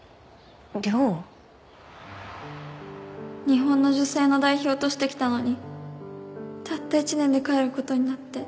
日本の女性の代表として来たのにたった１年で帰る事になって。